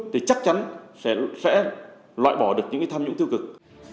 thì chắc chắn sẽ loại bỏ được những cái tham nhũng tiêu cực